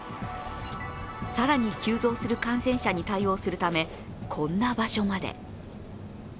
更に急増する感染者に対応するため、こんな場所まで。